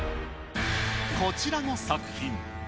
こちらの作品。